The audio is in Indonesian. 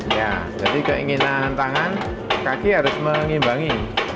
ya jadi keinginan tangan kaki harus mengimbangi